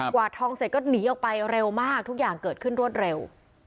วาดทองเสร็จก็หนีออกไปเร็วมากทุกอย่างเกิดขึ้นรวดเร็ว